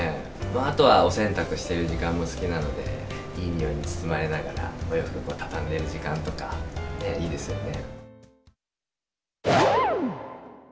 あとはお洗濯してる時間も好きなので、いい匂いに包まれながら、お洋服畳んでる時間とかいいですよね。